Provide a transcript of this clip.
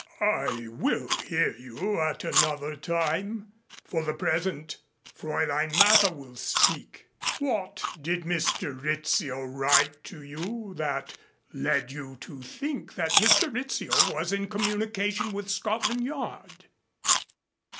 "I will hear you at another time. For the present, Fräulein Mather will speak. What did Mr. Rizzio write to you that led you to think that Mr. Rizzio was in communication with Scotland Yard?"